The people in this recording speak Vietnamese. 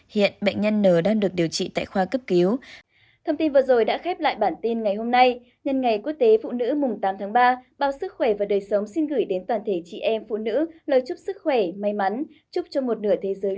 hiện bệnh nhân n đang được điều trị tại khoa cấp cứu